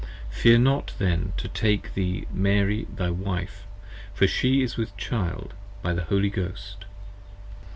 Fear not then to take To thee Mary thy Wife, for she is with Child by the Holy Ghost.